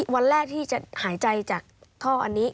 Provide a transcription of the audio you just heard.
วันแรกที่จะหายใจจากท่ออันนี้